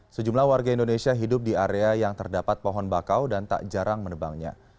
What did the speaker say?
sejumlah warga indonesia hidup di area yang terdapat pohon bakau dan tak jarang menebangnya